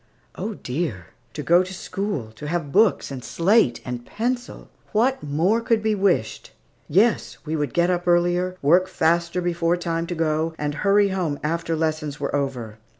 Oh, dear! to go to school, to have books and slate and pencil! What more could be wished? Yes, we would get up earlier, work faster before time to go, and hurry home after lessons were over.